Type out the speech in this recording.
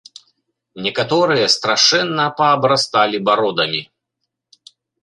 Некаторыя страшэнна паабрасталі бародамі.